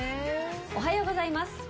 おはようございます。